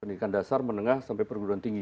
pendidikan dasar menengah sampai perguruan tinggi